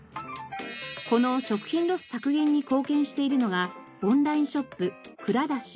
この食品ロス削減に貢献しているのがオンラインショップＫＵＲＡＤＡＳＨＩ。